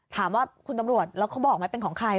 ถามว่าคุณตำรวจแล้วเขาบอกไหมเป็นของใคร